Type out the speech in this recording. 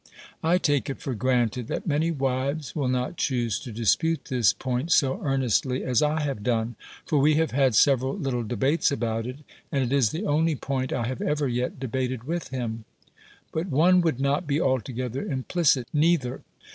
I take it for granted, that many wives will not choose to dispute this point so earnestly as I have done; for we have had several little debates about it; and it is the only point I have ever yet debated with him; but one would not be altogether implicit neither.